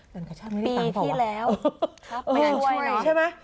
งานการ์ช่าไม่ได้ตั้งพอปีที่แล้วมันช่วยเนอะใช่ไหม